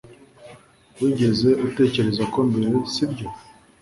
Wigeze utekereza ko mbere sibyo